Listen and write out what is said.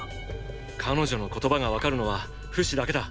彼女の言葉がわかるのはフシだけだ。